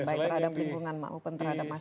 baik terhadap lingkungan maupun terhadap masyarakat